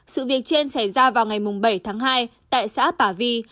sự việc trên xảy ra vào ngày bảy tháng hai tại xã bà vi